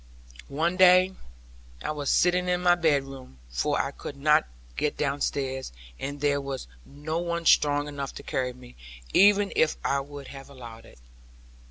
One day, I was sitting in my bedroom, for I could not get downstairs, and there was no one strong enough to carry me, even if I would have allowed it.